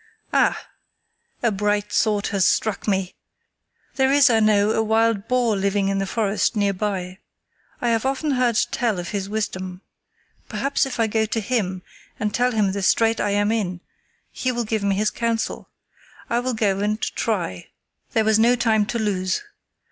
Ah! a bright thought has struck me! There is, I know, a wild boar living in the forest near by. I have often heard tell of his wisdom. Perhaps if I go to him and tell him the strait I am in he will give me his counsel. I will go and try." There was no time to lose.